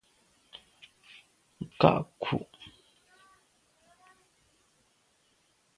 Nka’ kù.